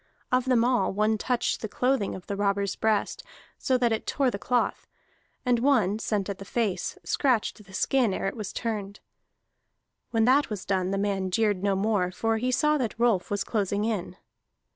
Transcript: Of them all, one touched the clothing on the robber's breast, so that it tore the cloth; and one, sent at the face, scratched the skin ere it was turned. When that was done, the man jeered no more, for he saw that Rolf was closing in.